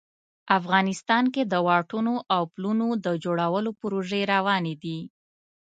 افغانستان کې د واټونو او پلونو د جوړولو پروژې روانې دي